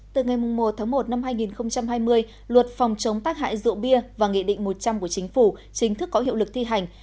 từ ngày một tháng một năm hai nghìn hai mươi luật phòng chống tác hại rượu bia và nghị định một trăm linh của chính phủ chính thức có hiệu lực thi hành